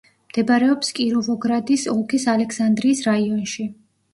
მდებარეობს კიროვოგრადის ოლქის ალექსანდრიის რაიონში.